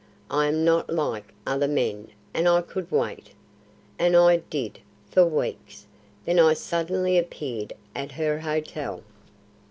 I am not like other men and I could wait. And I did, for weeks, then I suddenly appeared at her hotel."